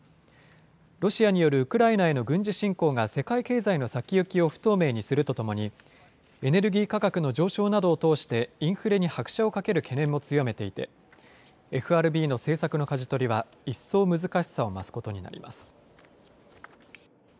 ロシアによるウクライナへの軍事侵攻が世界経済の先行きを不透明にするとともに、エネルギー価格の上昇などを通して、インフレに拍車をかける懸念も強めていて、ＦＲＢの政策のかじ取りは、一層難しさを増すことになります。